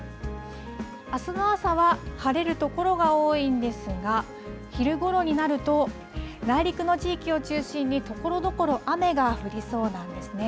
あすの朝は晴れる所が多いんですが、昼ごろになると、内陸の地域を中心にところどころ雨が降りそうなんですね。